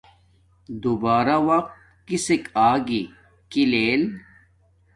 دوبارہ وقت کسک آگی کی لیل